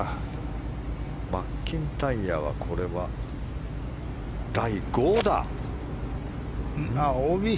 マッキンタイヤはこれは第５打。